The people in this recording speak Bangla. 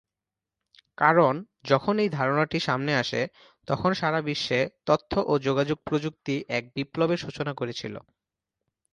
কারণ যখন এই ধারণাটি সামনে আসে, তখন সারা বিশ্বে তথ্য ও যোগাযোগ প্রযুক্তি এক বিপ্লবের সূচনা করেছিল।